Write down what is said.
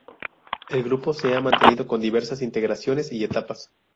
El grupo se ha mantenido con diversas integraciones y etapas.